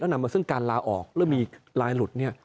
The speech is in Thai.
แล้วนำมาซึ่งการลาออกแล้วมีลายหลุด